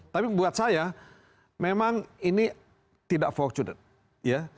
tapi buat saya memang ini tidak fortunate ya